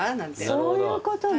そういうことね。